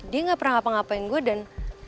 dia gak pernah ngapa ngapain gue dan